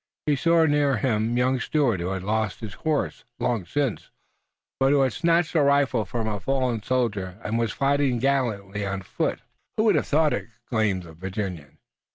He saw near him young Stuart who had lost his horse long since, but who had snatched a rifle from a fallen soldier, and who was fighting gallantly on foot. "Who would have thought it?" exclaimed the Virginian.